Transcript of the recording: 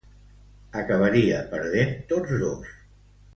Acabaria perdent tots dos.